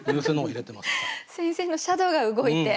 先生のシャドウが動いて。